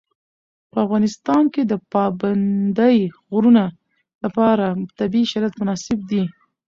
په افغانستان کې د پابندی غرونه لپاره طبیعي شرایط مناسب دي.